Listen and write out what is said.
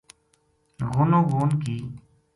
غونو غون کی